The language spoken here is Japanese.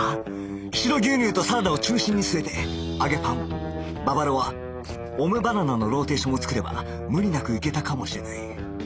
白牛乳とサラダを中心に据えて揚げパンババロアオムバナナのローテーションを作れば無理なくいけたかもしれない